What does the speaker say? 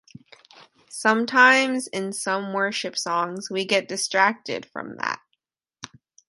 Sometimes in some worship songs we get distracted from that.